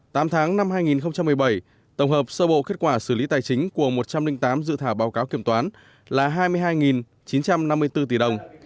tám tháng năm hai nghìn một mươi bảy tổng hợp sơ bộ kết quả xử lý tài chính của một trăm linh tám dự thảo báo cáo kiểm toán là hai mươi hai chín trăm năm mươi bốn tỷ đồng